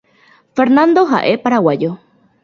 Fernando ha’e Paraguayo.